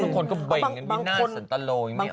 บางคนก็เบ่งกันไม่น่าสันตะโลยังไม่ออก